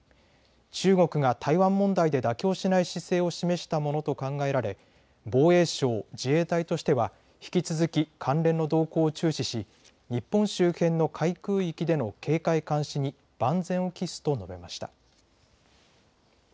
中国が台湾問題で妥協しない姿勢を示したものと考えられ防衛省・自衛隊としては引き続き関連の動向を注視し日本周辺の海空域での警戒監視に万全を期すと述べました。